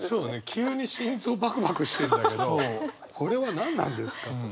急に心臓バクバクしてんだけどこれは何なんですかと。